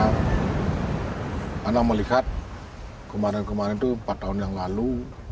karena melihat kemarin kemarin itu empat tahun yang lalu